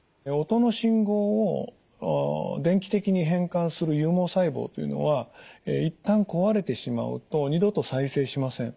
音の信号を電気的に変換する有毛細胞というのは一旦壊れてしまうと二度と再生しません。